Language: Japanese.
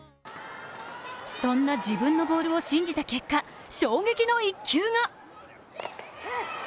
そんな自分のボールを信じた結果、衝撃の１球が。